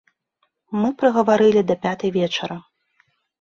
Мы прагаварылі да пятай вечара.